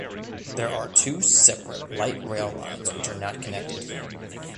There are two separate light rail lines which are not connected.